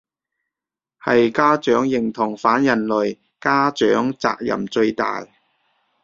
係家長認同反人類，家長責任最大